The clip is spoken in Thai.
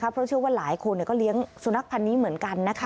เพราะเชื่อว่าหลายคนก็เลี้ยงสุนัขพันธ์นี้เหมือนกัน